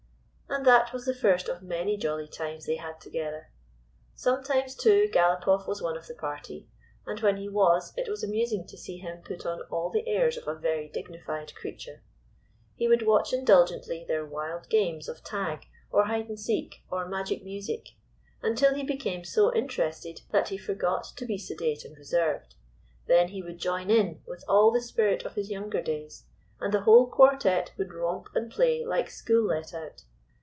And that was the first of many jolly times they had together. Sometimes, too, Galopoff was one of the party, and when he was it was amusing to see him put on all the airs of a very dignified creature. He would watch indulgently their wild games of tag, or hide and seek, or magic music, until he became so interested that he forgot to be sedate and reserved. Then he would join in with all the spirit of his younger days, and the whole quartet would romp and play like school let out.